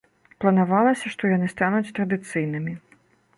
Планавалася, што яны стануць традыцыйнымі.